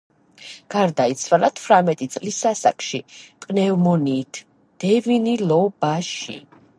გარდაიცვალა თვრამეტი წლის ასაკში პნევმონიით, დევნილობაში.